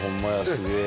すげえ。